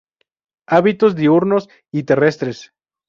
Hábitos diurnos y terrestres.